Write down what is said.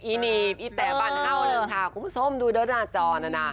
อีนีบไอ้แต่บันเอาเลยค่ะครูส้มดูด้านหน้าจอนะน่ะ